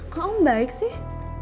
kok om baik sih